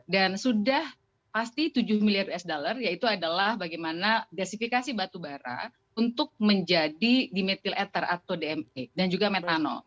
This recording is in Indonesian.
dan sudah pasti tujuh miliar usd yaitu adalah bagaimana gasifikasi batubara untuk menjadi dimethyl ether atau dme dan juga metano